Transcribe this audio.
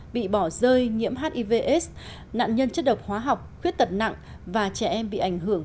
bị bỏ rơi nhiễm hivs nạn nhân chất độc hóa học khuyết tật nặng và trẻ em bị ảnh hưởng